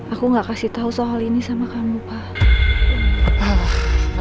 aku gak kasih tahu soal ini sama kamu pak